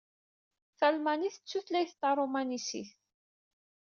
Talmanit d tutlayt taṛumansit?